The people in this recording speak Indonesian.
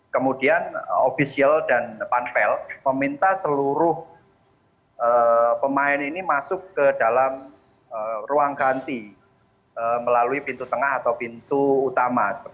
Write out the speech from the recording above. kemudian ofisial dan panpel meminta seluruh pemain ini masuk ke dalam ruang ganti melalui pintu tengah atau pintu utama